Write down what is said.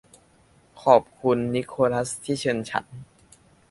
ขอบคุณนิโคลัสที่เชิญฉัน